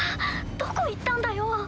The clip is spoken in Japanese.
どこ行ったんだよ？